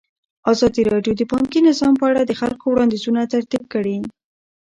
ازادي راډیو د بانکي نظام په اړه د خلکو وړاندیزونه ترتیب کړي.